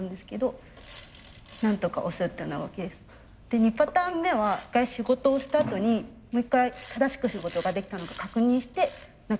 で２パターン目は一回仕事をしたあとにもう一回正しく仕事ができたの確認して中に戻っていく。